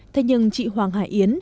thế nhưng chị hoàng hải yến